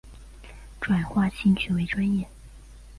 转化兴趣为专业